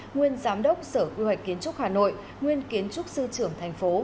nguyên giám đốc sở quy hoạch kiến trúc hà nội nguyên kiến trúc sư trưởng thành phố